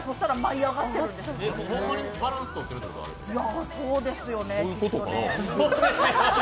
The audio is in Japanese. いやあ、そうですよね。